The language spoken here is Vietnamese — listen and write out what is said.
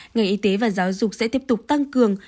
ngành y tế và giáo dục sẽ tiếp tục tăng cường